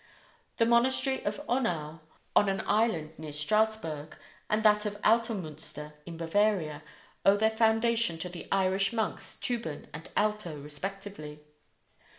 The monastery of Honau, on an island near Strasburg, and that of Altomünster, in Bavaria, owe their foundation to the Irish monks Tuban and Alto, respectively.